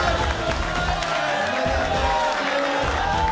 おめでとうございます